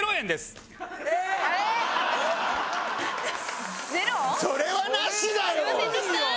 それはなしだよ！